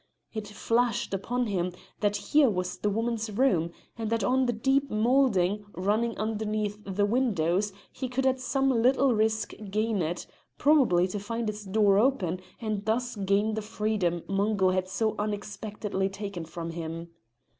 It flashed upon him that here was the woman's room, and that on the deep moulding running underneath the windows he could at some little risk gain it, probably to find its door open, and thus gain the freedom Mungo had so unexpectedly taken from him.